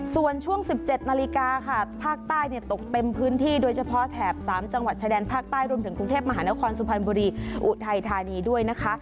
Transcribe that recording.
ส่วนช่วง๑๗นาฬิกาค่ะภาคใต้ตกเต็มพื้นที่โดยเฉพาะแถบ๓จังหวัดชายแดนภาคใต้รวมถึงกรุงเทพมหานครสุพรรณบุรีอุทัยธานีด้วยนะคะ